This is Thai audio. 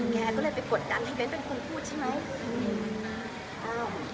แกก็เลยไปกดดัน